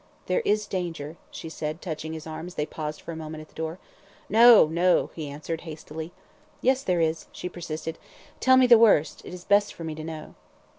"There is danger?" she said, touching his arm as they paused for a moment at the door. "No! No!" he answered, hastily. "Yes, there is," she persisted. "Tell me the worst, it is best for me to know."